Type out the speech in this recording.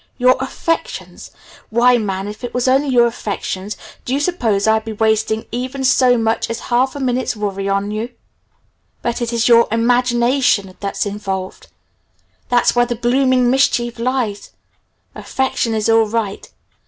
"Your affections? Why, man, if it was only your affections, do you suppose I'd be wasting even so much as half a minute's worry on you? But it's your imagination that's involved. That's where the blooming mischief lies. Affection is all right.